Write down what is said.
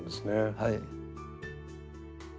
はい。